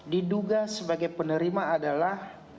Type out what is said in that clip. diduga sebagai penerima adalah